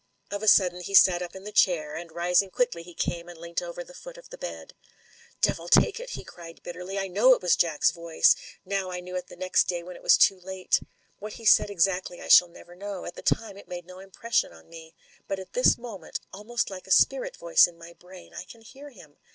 Of a sudden he sat up in the chair, and rising quickly he came and leant over the foot of the bed. "Devil take it," he cried bitterly, "I know it was Jack's voice — now. I knew it the next day when it was too late. What he said exactly I shall never know — at the time it made no impression on me ; but at this moment, almost like a spirit voice in my brain, I can hear him.